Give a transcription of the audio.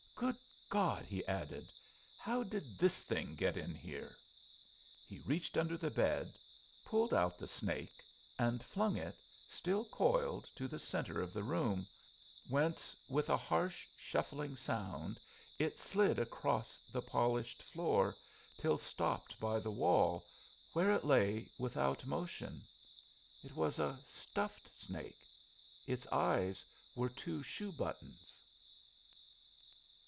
"Good God!" he added, "how did this thing get in here?" He reached under the bed, pulled out the snake and flung it, still coiled, to the center of the room, whence with a harsh, shuffling sound it slid across the polished floor till stopped by the wall, where it lay without motion. It was a stuffed snake; its eyes were two shoe buttons.